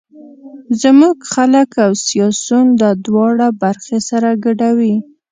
زموږ خلک او سیاسون دا دواړه برخې سره ګډوي.